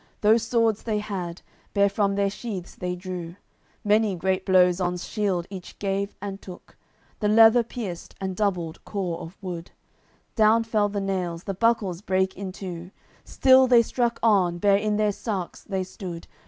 Those swords they had, bare from their sheaths they drew; Many great blows on 's shield each gave and took; The leather pierced, and doubled core of wood; Down fell the nails, the buckles brake in two; Still they struck on, bare in their sarks they stood.